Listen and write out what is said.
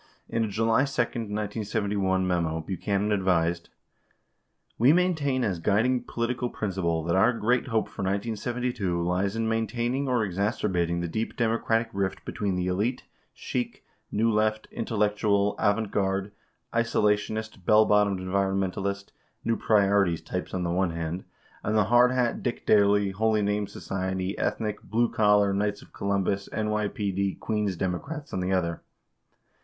In a July 2, 1971 memo, Buchanan advised: [We] maintain as guiding political principle that our great hope for 1972 lies in maintaining or exacerbating the deep Democratic rift between the elite, chic, New Left, intellectual avant garde, isolationist, bell bottomed environmentalist, new priorities types on the one hand— and the hard hat, Dick Daley, Holy Name Society, ethnic, blue collar, Knights of Columbus, N YPD, Queens Democrats on the other.